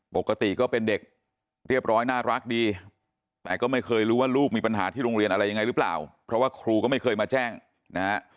ปกติก็เป็นเด็กเรียบร้อยน่ารักดีแต่ก็ไม่เคยรู้ว่าลูกมีปัญหาที่โรงเรียนอะไรยังไงหรือเปล่าเพราะว่าครูก็ไม่เคยมาแจ้งนะฮะ